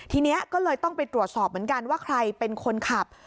ทีนี้ก็เลยต้องไปตรวจสอบเหมือนกันว่าใครเป็นคนขับ